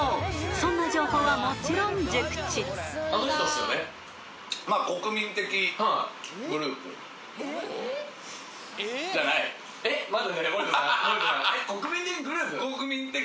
［そんな情報はもちろん熟知］国民的グループ？えっと。